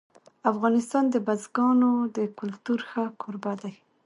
افغانستان د بزګانو د کلتور ښه کوربه دی.